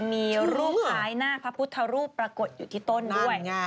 มีรูปคล้ายหน้าพระพุทธรูปปรากฏอยู่ที่ต้นด้วย